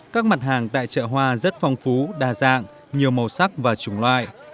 các mặt hàng tại chợ hoa rất phong phú đa dạng nhiều màu sắc và chủng loại